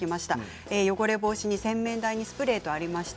汚れ防止に洗面台にスプレーとありました。